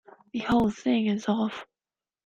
The whole thing is off.